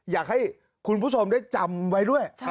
อยากให้คุณผู้ชมได้จำไว้ด้วย